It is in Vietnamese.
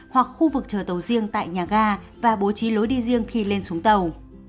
hoặc khu vực chờ tàu riêng tại nhà ga và bố trí lối đi riêng khi lên xuống tàu